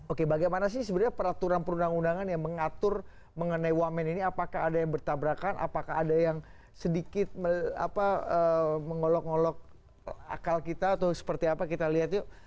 oke bagaimana sih sebenarnya peraturan perundang undangan yang mengatur mengenai wamen ini apakah ada yang bertabrakan apakah ada yang sedikit mengolok ngolok akal kita atau seperti apa kita lihat yuk